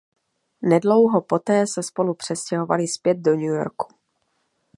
Nedlouho poté se spolu přestěhovali zpět do New Yorku.